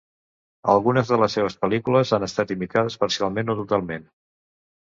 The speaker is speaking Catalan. Algunes de les seves pel·lícules han estat imitades parcialment o totalment.